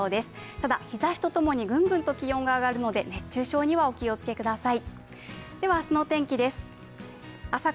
ただ日ざしと共にぐんぐんと気温が上がるので熱中症にはお気をつけください。